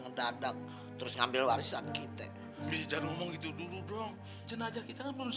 ngedadang terus ngambil warisan kita bijak ngomong gitu dulu dong jenazah kita kan belum